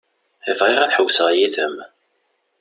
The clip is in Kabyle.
Bɣiɣ ad ḥewwseɣ yid-m.